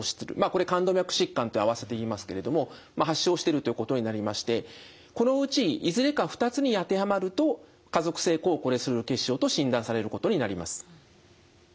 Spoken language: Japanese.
これ冠動脈疾患と合わせて言いますけれども発症してるということになりましてこのうちいずれか２つに当てはまると家族性高コレステロール血症と診断されることになります。